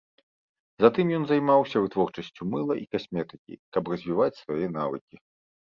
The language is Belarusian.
Затым ён займаўся вытворчасцю мыла і касметыкі, каб развіваць свае навыкі.